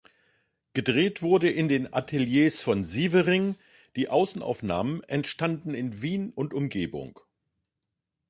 Gedreht wurde in den Ateliers von Sievering, die Außenaufnahmen entstanden in Wien und Umgebung.